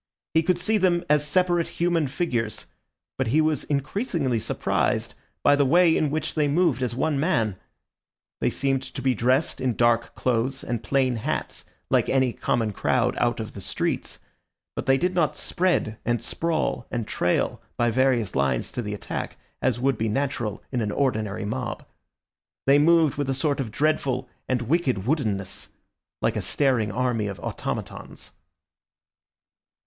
He could see them as separate human figures; but he was increasingly surprised by the way in which they moved as one man. They seemed to be dressed in dark clothes and plain hats, like any common crowd out of the streets; but they did not spread and sprawl and trail by various lines to the attack, as would be natural in an ordinary mob. They moved with a sort of dreadful and wicked woodenness, like a staring army of automatons.